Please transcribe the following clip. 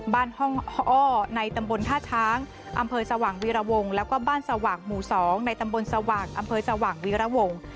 บ้านห้องอ้อในตำบลท่าช้างอำเภอสว่างวีรวงแล้วก็บ้านสว่างหมู่๒ในตำบลสว่างอำเภอสว่างวีระวง